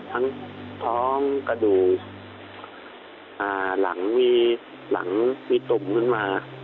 ทั้งท้องกระดูกหลังมีตมขึ้นมา